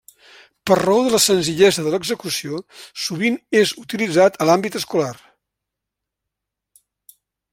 Per raó de la senzillesa de l'execució, sovint és utilitzat a l'àmbit escolar.